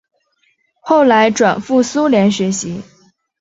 后来转赴苏联学习。